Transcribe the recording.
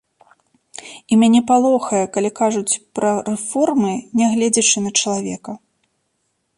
І мяне палохае, калі кажуць пра рэформы, не гледзячы на чалавека.